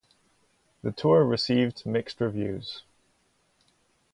The tour received mixed reviews.